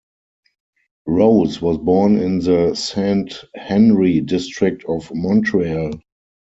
Rose was born in the Saint-Henri district of Montreal.